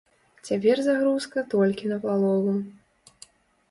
Цяпер загрузка толькі на палову.